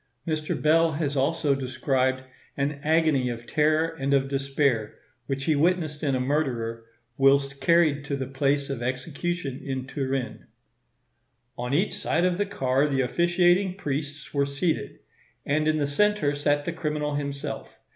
Terror. Fig. 20 Mr. Bell has also described an agony of terror and of despair, which he witnessed in a murderer, whilst carried to the place of execution in Turin. "On each side of the car the officiating priests were seated; and in the centre sat the criminal himself.